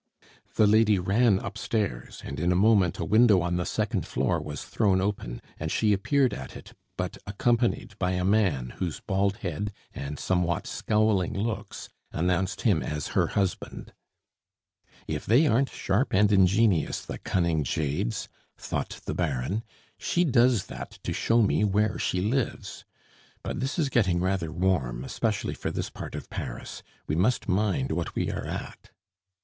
The lady ran upstairs, and in a moment a window on the second floor was thrown open, and she appeared at it, but accompanied by a man whose baldhead and somewhat scowling looks announced him as her husband. "If they aren't sharp and ingenious, the cunning jades!" thought the Baron. "She does that to show me where she lives. But this is getting rather warm, especially for this part of Paris. We must mind what we are at."